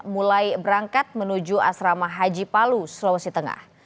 mulai berangkat menuju asrama haji palu sulawesi tengah